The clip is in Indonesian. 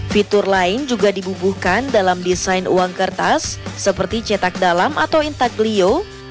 fitur lain juga dibubuhkan dalam desain uang kertas seperti cetak dalam atau intaklio